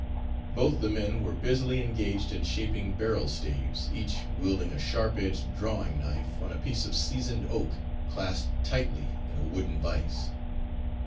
Both the men were busily engaged in shaping barrel staves, each wielding a sharp edged drawing knife on a piece of seasoned oak clasped tightly in a wooden vise.